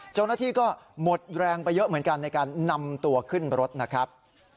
เจ้าหน้าที่ก็หมดแรงไปเยอะเหมือนกันในการนำตัวขึ้นรถนะครับ